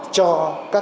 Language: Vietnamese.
cho các doanh nghiệp